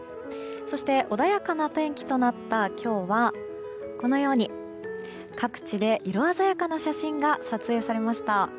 そして穏やかな天気となった今日は各地で、色鮮やかな写真が撮影されました。